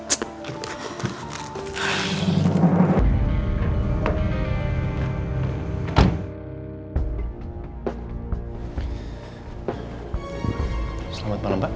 selamat malam pak